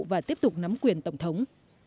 và tiếp tục nắm quyền tổng thống